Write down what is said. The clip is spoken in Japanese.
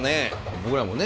僕らもね